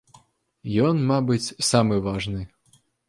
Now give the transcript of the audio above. Ён, мабыць, самы важны.